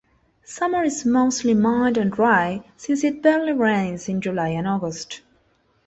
Summer is mostly mild and dry since it barely rains in July and August.